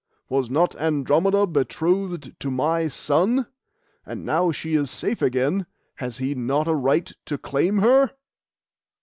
Was not Andromeda betrothed to my son? And now she is safe again, has he not a right to claim her?